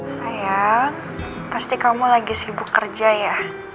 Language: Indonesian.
saya pasti kamu lagi sibuk kerja ya